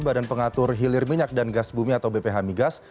badan pengatur hilir minyak dan gas bumi atau bph migas